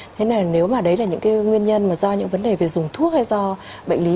thế nếu mà đấy là những nguyên nhân do những vấn đề về dùng thuốc hay do bệnh lý